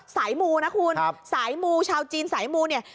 สายมูนะคุณสายมูชาวจีนสายมูเนี่ย